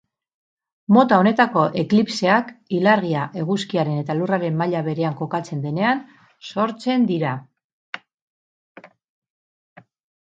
Mota honetako eklipseak ilargia eguzkiaren eta lurraren maila berean kokatzen denean sortzen dira.